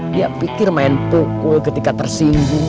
dia pikir main pukul ketika tersinggung